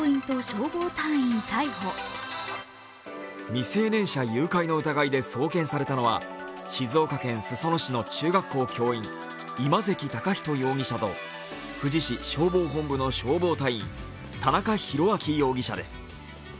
未成年者誘拐の疑いで送検されたのは、静岡県裾野市の中学校教員、今関崇人容疑者と富士市消防本部の消防隊員田中宏明容疑者です。